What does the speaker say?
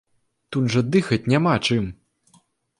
Тут жа дыхаць няма чым!